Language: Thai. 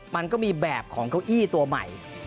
มันก็มีแบบของเก้าอี้ตัวใหม่